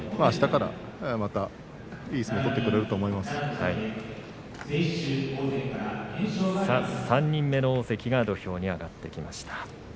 あしたからまたいい相撲を３人目の大関が土俵に上がってきました。